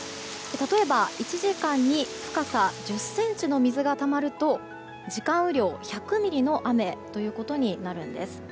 例えば、１時間に深さ１０ｃｍの水がたまると時間雨量１００ミリの雨ということになるんです。